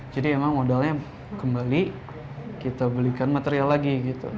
jadi emang modalnya kembali kita belikan material lagi